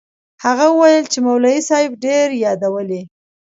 هغه وويل چې مولوي صاحب ډېر يادولې.